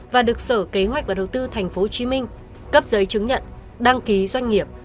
và được sở kế hoạch và đầu tư tp hcm cấp giấy chứng nhận đăng ký doanh nghiệp